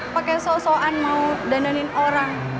pake so soan mau dandanin orang